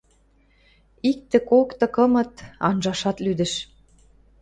Иктӹ, кокты, кымыт... анжашат лӱдӹш.